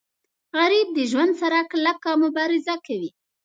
غریب د ژوند سره کلکه مبارزه کوي